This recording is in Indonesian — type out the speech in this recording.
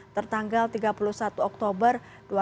tertanggal tiga puluh satu oktober dua ribu dua puluh